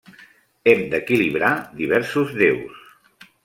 Hem d'equilibrar diversos deus.